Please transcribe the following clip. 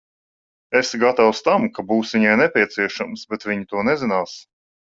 Esi gatavs tam, ka būsi viņai nepieciešams, bet viņa to nezinās.